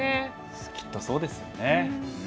きっとそうですよね。